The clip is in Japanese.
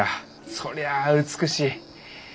そりゃあ美しい。